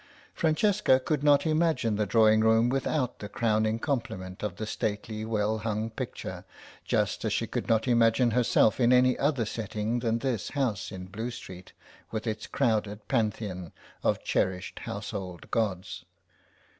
Francesca could not imagine the drawing room without the crowning complement of the stately well hung picture, just as she could not imagine herself in any other setting than this house in Blue Street with its crowded Pantheon of cherished household gods.